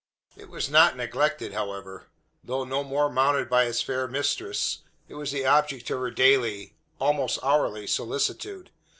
It was not neglected, however. Though no more mounted by its fair mistress, it was the object of her daily almost hourly solicitude.